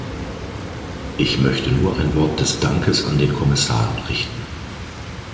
Ich möchte nur ein Wort des Dankes an den Kommissar richten.